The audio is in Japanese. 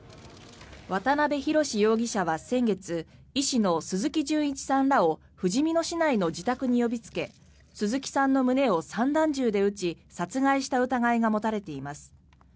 渡辺宏容疑者は先月医師の鈴木純一さんらをふじみ野市内の自宅に呼びつけ鈴木さんの胸を散弾銃で撃ち殺害した疑いが持たれています。